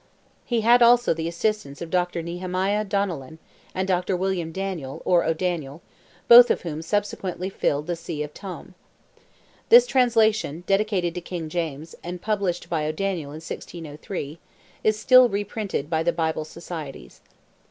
He had also the assistance of Dr. Nehemiah Donnellan, and Dr. William Daniel, or O'Daniel, both of whom subsequently filled the See of Tuam. This translation, dedicated to King James, and published by O'Daniel in 1603, is still reprinted by the Bible Societies.